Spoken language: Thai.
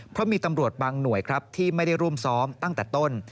เพราะมีตำรวจบางหน่วยครับที่ไม่ได้ร่วมซ้อมตั้งแต่ต้น